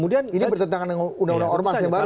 ini bertentangan dengan undang undang ormas yang baru